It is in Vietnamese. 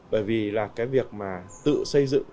bởi vì là cái việc mà tự xây dựng